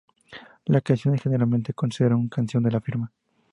La canción es generalmente considerado su canción de la firma.